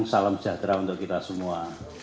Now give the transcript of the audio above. salam sejahtera untuk kita semua